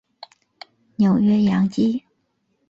纽约洋基